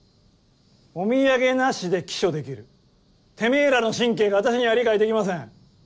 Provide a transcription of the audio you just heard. お土産なしで帰署できるてめぇらの神経が私には理解できません。